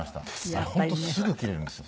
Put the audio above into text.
あれ本当すぐ切れるんですよ。